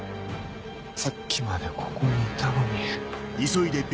さっきまでここにいたのに。